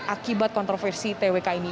akibat kontroversi twk ini